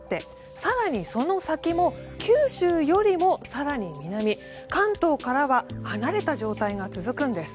更にその先も九州よりも更に南関東からは離れた状態が続くんです。